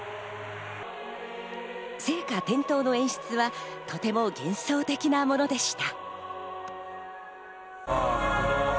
聖火点灯の演出はとても幻想的なものでした。